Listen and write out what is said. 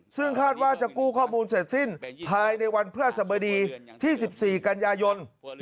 ซึ่งคาดว่าจะกู้ข้อมูลเสร็จสิ้นภายในวันพระสบดีที่๑๔กันยายน